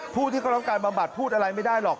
ผู้ที่เขารับการบำบัดพูดอะไรไม่ได้หรอก